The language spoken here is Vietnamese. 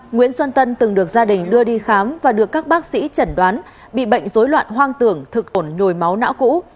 nguyễn xuân tân từng được gia đình đưa đi khám và được các bác sĩ chẩn đoán bị bệnh dối loạn hoang tưởng thực ổn nhồi máu não cũ